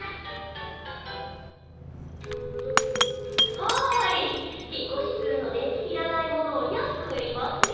はいひっこしするのでいらないものをやすくうりますよ。